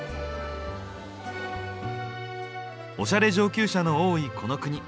オシャレ上級者の多いこの国。